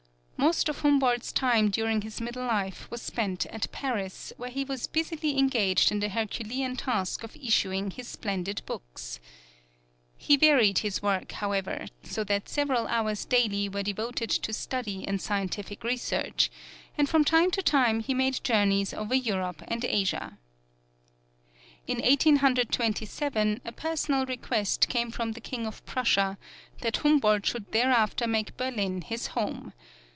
Most of Humboldt's time during his middle life was spent at Paris, where he was busily engaged in the herculean task of issuing his splendid books. He varied his work, however, so that several hours daily were devoted to study and scientific research; and from time to time he made journeys over Europe and Asia. In Eighteen Hundred Twenty seven a personal request came from the King of Prussia that Humboldt should thereafter make Berlin his home.